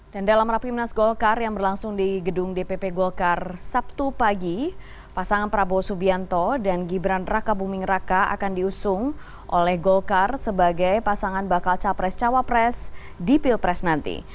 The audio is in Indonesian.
dan dalam rapimnas golkar yang berlangsung di gedung dpp golkar sabtu pagi pasangan prabowo subianto dan gibran raka buming raka akan diusung oleh golkar sebagai pasangan bakal capres cawapres di pilpres nanti